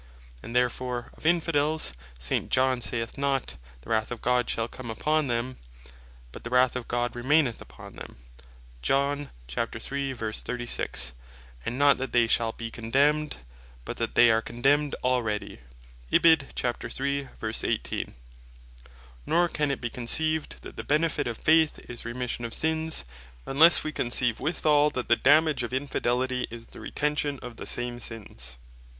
And therefore of Infidels, S. John saith not, the wrath of God shall "come" upon them, but "the wrath of God remaineth upon them;" and not that they shall be condemned; but that "they are condemned already."(John 3.36, 3.18) Nor can it be conceived, that the benefit of Faith, "is Remission of sins" unlesse we conceive withall, that the dammage of Infidelity, is "the Retention of the same sins."